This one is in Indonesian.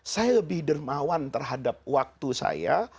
saya lebih dermawan terhadap waktu saya